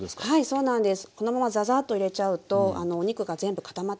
そうなんです。